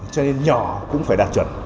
cho nên nhỏ cũng phải đạt chuẩn